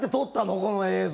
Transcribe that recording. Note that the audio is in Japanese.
この映像。